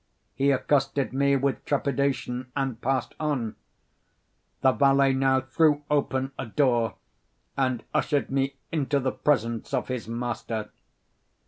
He accosted me with trepidation and passed on. The valet now threw open a door and ushered me into the presence of his master.